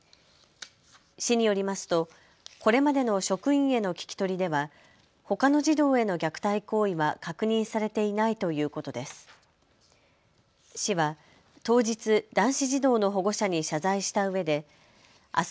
市によりますとこれまでの職員への聞き取りではほかの児童への虐待行為は確認されていないということです。